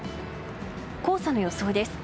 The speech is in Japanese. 黄砂の予想です。